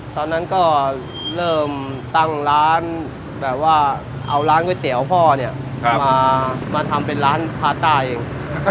ตอนนั้นก็เริ่มตั้งร้านแบบว่าเอาร้านก๋วยเตี๋ยวพ่อเนี่ยมาทำเป็นร้านพาต้าเอง